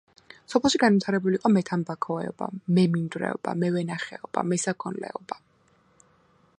სოფელში განვითარებული იყო მეთამბაქოეობა, მემინდვრეობა, მევენახეობა, მესაქონლეობა.